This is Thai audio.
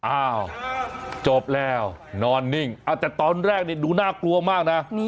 อ้าวจบแล้วนอนนิ่งแต่ตอนแรกนี่ดูน่ากลัวมากนะ